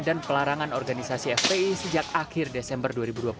dan pelarangan organisasi fpi sejak akhir desember dua ribu dua puluh